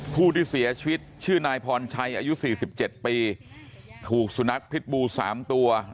ผู้ที่เสียชีวิตชื่อนายพรชัยอายุ๔๗ปีถูกสุนัขพิษบู๓ตัว